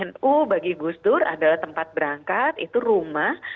nu bagi gus dur adalah tempat berangkat itu rumah